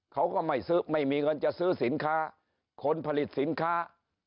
เขาก็ไม่ซื้อไม่มีเงินจะซื้อสินค้าคนผลิตสินค้า